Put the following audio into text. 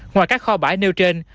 ngoài các kho bãi nêu trên